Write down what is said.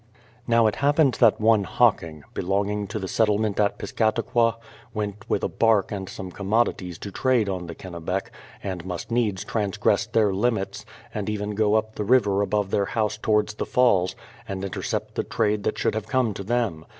Now it happened that one Hocking, belonging to the settlement at Piscataqua, went with a bark and some com modities to trade on the Kennebec, and must needs trans gress their limits, and even go up the river above their house towards the Falls, and intercept the trade that should have come to them.